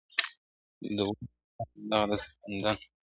د ونو ښکلا همدغه د ځنګدن ..